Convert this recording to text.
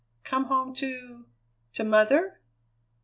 "Come home to to mother?